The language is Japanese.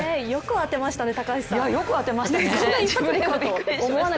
よく当てましたね、高橋さんびっくりしました。